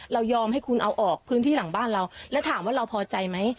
ยอมให้คุณเอาออกพื้นที่หลังบ้านเราแล้วถามว่าเราพอใจไหม